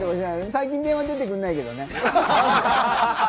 最近、電話出てくれないけどね。